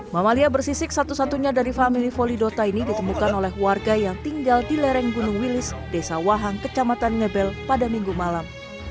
mamalia bersisik satu satunya dari family folidota ini ditemukan oleh warga yang tinggal di lereng gunung wilis desa wahang kecamatan ngebel pada minggu malam